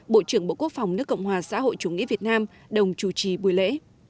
bộ trưởng bộ quốc phòng nước cộng hòa xã hội chủ nghĩa việt nam đồng chủ trì buổi lễ